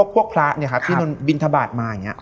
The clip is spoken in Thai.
พวกพระพี่น้องบิณฑบาทมาอย่างเนี้ย